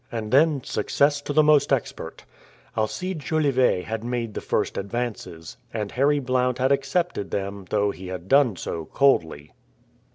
And then success to the most expert! Alcide Jolivet had made the first advances, and Harry Blount had accepted them though he had done so coldly.